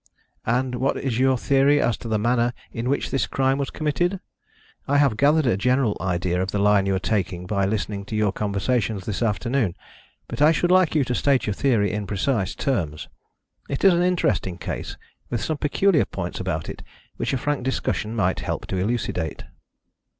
"And what is your theory as to the manner in which this crime was committed? I have gathered a general idea of the line you are taking by listening to your conversation this afternoon, but I should like you to state your theory in precise terms. It is an interesting case, with some peculiar points about it which a frank discussion might help to elucidate."